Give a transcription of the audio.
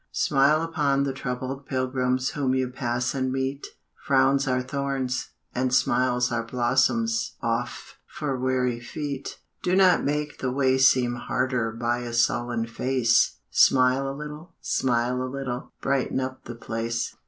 Smile upon the troubled pilgrims Whom you pass and meet; Frowns are thorns, and smiles are blossoms Oft for weary feet. Do not make the way seem harder By a sullen face, Smile a little, smile a little, Brighten up the place.